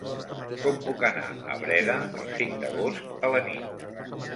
Com puc anar a Breda el cinc d'agost a la nit?